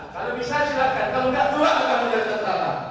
kalau bisa silahkan kamu tidak keluar ke akun dasar terang